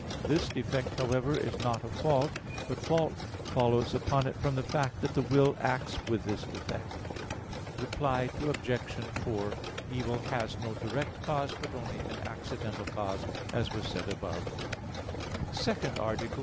This defect, however, is not a fault, but fault follows upon it from the fact that the will acts with this defect. Reply Obj. 4: Evil has no direct cause, but only an accidental cause, as was said above. _______________________ SECOND ARTICLE [I, Q.